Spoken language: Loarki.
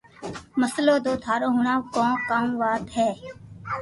مسلو تو ھڻاو ٿارو ڪو ڪاو وات ھي